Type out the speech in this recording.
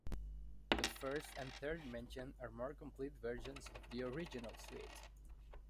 The first and third mentioned are more complete versions of the original suite.